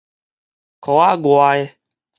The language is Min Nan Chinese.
箍仔外的